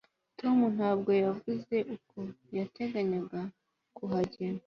tom ntabwo yavuze uko yateganyaga kuhagera